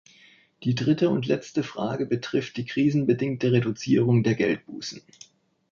Die dritte und letzte Frage betrifft die krisenbedingte Reduzierung der Geldbußen.